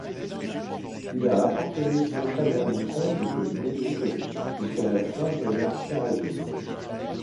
Il a appartenu aux Chanoines-comtes de Brioude jusqu'à la fin de l'ancien régime.